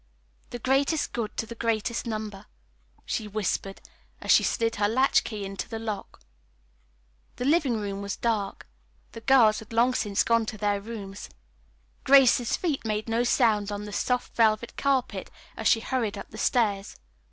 "The greatest good to the greatest number," she whispered, as she slid her latchkey into the lock. The living room was dark. The girls had long since gone to their rooms. Grace's feet made no sound on the soft velvet carpet as she hurried up the stairs.